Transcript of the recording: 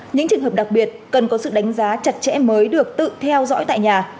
những trường hợp đặc biệt cần có sự đánh giá chặt chẽ mới được tự theo dõi tại nhà